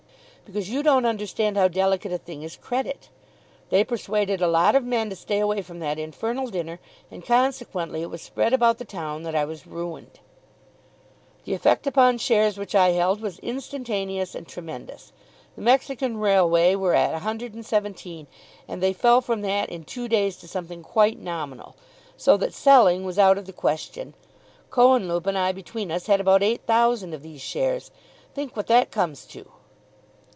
"Because you don't understand how delicate a thing is credit. They persuaded a lot of men to stay away from that infernal dinner, and consequently it was spread about the town that I was ruined. The effect upon shares which I held was instantaneous and tremendous. The Mexican railway were at 117, and they fell from that in two days to something quite nominal, so that selling was out of the question. Cohenlupe and I between us had about 8,000 of these shares. Think what that comes to!"